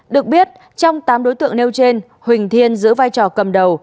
được biết trong tám đối tượng nêu trên huỳnh thiên giữ vai trò cầm đầu